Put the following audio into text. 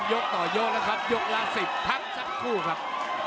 ยกละ๑๐ครั้งสักคู่ครับ